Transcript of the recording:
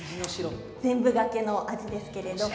全部がけの味ですけれどもね。